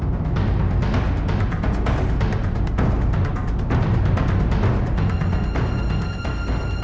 k africanthe enorm seperti dasarriters yang baru kembali sampai mati di indonesia perlu tinggal bekerja jauh dulu